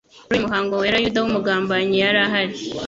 Muri uyu muhango wera, Yuda w'umugambanyi yari ahari.